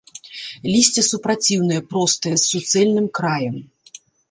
Лісце супраціўнае, простае, з суцэльным краем.